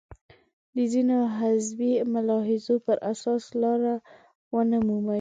د ځینو حزبي ملاحظو پر اساس لاره ونه مومي.